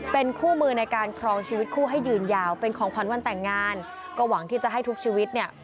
เป็นคู่มือในการครองชีวิตคู่ให้ยืนยาวเป็นของขวัญวันแต่งงานก็หวังที่จะให้ทุกชีวิตเนี่ย